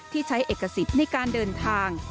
ที่ใช้เอกสิทธิ์ในการเดินทาง